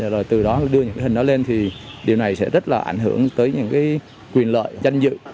rồi từ đó đưa những hình đó lên thì điều này sẽ rất là ảnh hưởng tới những quyền lợi danh dự